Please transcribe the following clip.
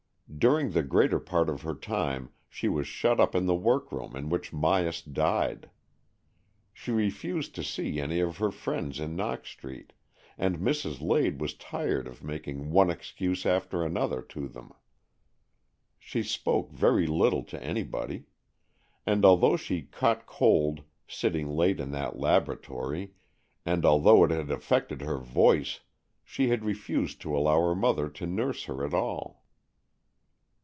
During the greater part of her time she was shut up in the workroom in which Myas died. She refused to see any of her friends in Knox Street, and Mrs. Lade was tired of making one excuse after another to them. She spoke very little to anybody. And, although she caught cold, sitting late in that laboratory, and although it had affected her voice, she had refused to allow her mother to nurse her at all.